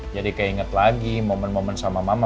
jadi keinget lagi momen momen sama mama